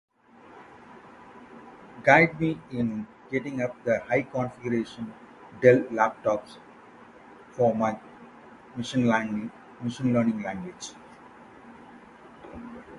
Lauren Isenberg was born in Toronto.